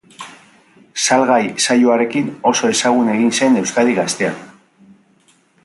Salgai saioarekin oso ezagun egin zen Euskadi Gaztean.